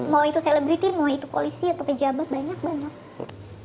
mau itu selebriti mau itu polisi atau pejabat banyak banyak